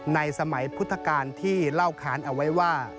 ในสมัยพุทธกาลที่เล่าค้านเอาไว้ว่า